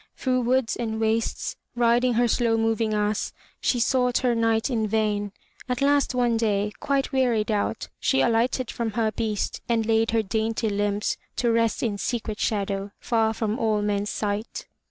Through woods and wastes, riding her slow moving ass, she sought her knight in vain. At last one day, quite wearied out, she alighted from her beast and laid her dainty limbs to rest in secret shadow, far from all men's sight.